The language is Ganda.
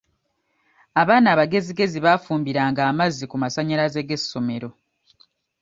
Abaana abagezigezi baafumbiranga amazzi ku masannyalaze g'essomero.